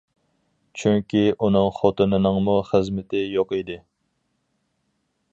چۈنكى ئۇنىڭ خوتۇنىنىڭمۇ خىزمىتى يوق ئىدى.